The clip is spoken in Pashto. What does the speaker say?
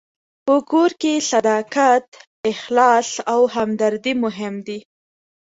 په کور کې صداقت، اخلاص او همدردي مهم دي.